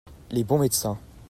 les bons médecins.